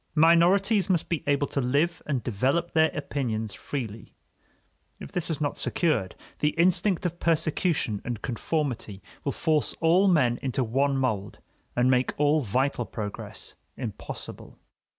Minorities must be able to live and develop their opinions freely. If this is not secured, the instinct of persecution and conformity will force all men into one mold and make all vital progress impossible.